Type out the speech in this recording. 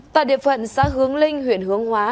tại địa phận xã hướng linh huyện hướng hóa